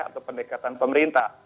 atau pendekatan pemerintah